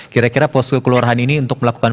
kira kira posko kelurahan ini untuk melakukan